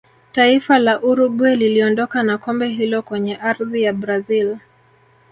taifa la uruguay liliondoka na kombe hilo kwenye ardhi ya brazil